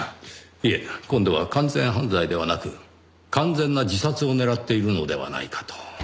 いえ今度は完全犯罪ではなく完全な自殺を狙っているのではないかと。